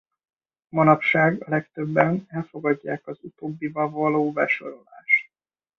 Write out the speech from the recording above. Manapság a legtöbben elfogadják az utóbbiba való besorolását.